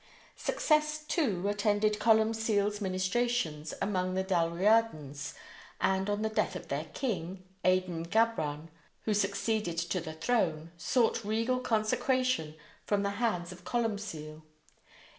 Success, too, attended Columcille's ministrations among the Dalriadans, and on the death of their king, Aidan Gabhran, who succeeded to the throne, sought regal consecration from the hands of Columcille.